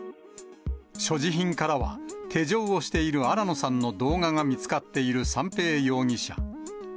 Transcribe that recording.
所持品からは、手錠をしている新野さんの動画が見つかっている三瓶容疑者。